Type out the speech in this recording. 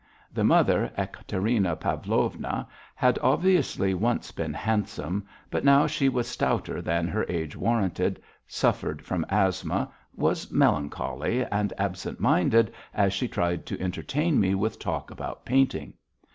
The mother, Ekaterina Pavlovna, had obviously once been handsome, but now she was stouter than her age warranted, suffered from asthma, was melancholy and absent minded as she tried to entertain me with talk about painting.